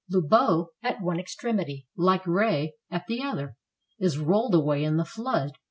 Lobau at one extremity, like Reille at the other, is rolled away in the flood.